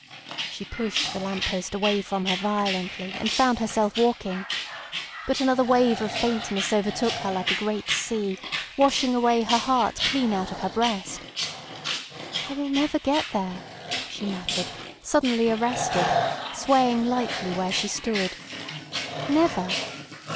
She pushed the lamp post away from her violently, and found herself walking. But another wave of faintness overtook her like a great sea, washing away her heart clean out of her breast. "I will never get there," she muttered, suddenly arrested, swaying lightly where she stood. "Never."